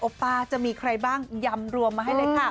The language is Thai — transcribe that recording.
ป้าจะมีใครบ้างยำรวมมาให้เลยค่ะ